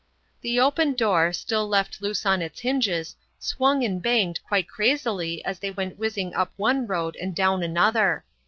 The open door, still left loose on its hinges, swung and banged quite crazily as they went whizzing up one road and down another.